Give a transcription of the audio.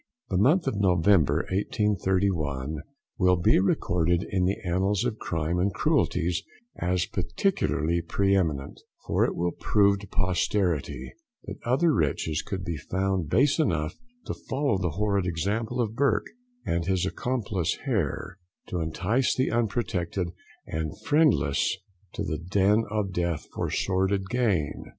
The month of November, 1831, will be recorded in the annals of crimes and cruelties as particularly preeminent, for it will prove to posterity that other wretches could be found base enough to follow the horrid example of Burke and his accomplice Hare, to entice the unprotected and friendless to the den of death for sordid gain.